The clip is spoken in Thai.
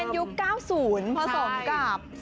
ต้องใช้คำนี้ค่ะต้องใช้คำนี้ค่ะ